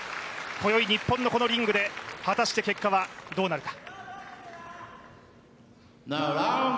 こよい、日本のこのリングで果たして結果はどうなるか。